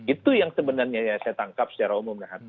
itu yang sebenarnya saya tangkap secara umum